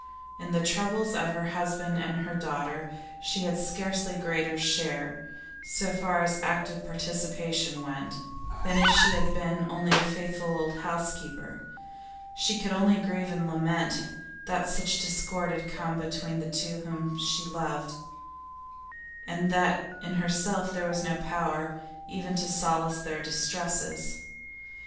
In the troubles of her husband and her daughter she had scarcely greater share so far as active participation went than if she had been only a faithful old housekeeper; she could only grieve and lament that such discord had come between the two whom she loved, and that in herself was no power even to solace their distresses.